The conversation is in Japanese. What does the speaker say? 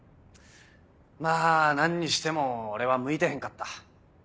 まぁ何にしても俺は向いてへんかった。